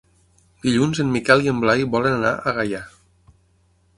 Dilluns en Miquel i en Blai volen anar a Gaià.